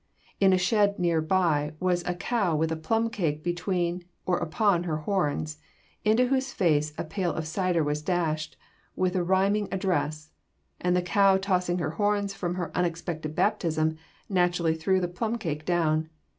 In a shed near by was a cow with a plum cake between or upon her horns, into whose face a pail of cider was dashed, with a rhyming address, and the cow tossing her horns from her unexpected baptism naturally threw the plum cake down.